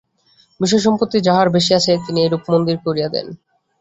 বিষয় সম্পত্তি যাঁহার বেশী আছে, তিনি এইরূপ মন্দির করিয়া দেন।